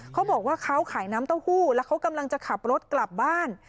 เขาบอกว่าเขาขายน้ำเต้าหู้แล้วเขากำลังจะขับรถกลับบ้าน